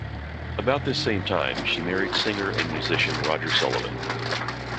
About this same time, she married singer and musician Roger Sullivan.